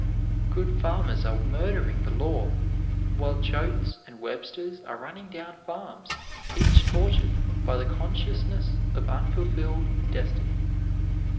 Good farmers are murdering the law, while Choates and Websters are running down farms, each tortured by the consciousness of unfulfilled destiny.